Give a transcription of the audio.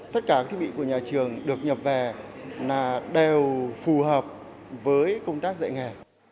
tất cả các thiết bị của nhà trường được nhập về là đều phù hợp với công tác dạy nghề